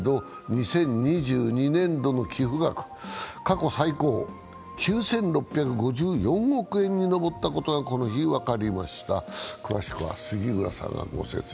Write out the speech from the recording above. ２０２２年度の寄付額、過去最高、９６５４億円に上ったことがこの日分かりました。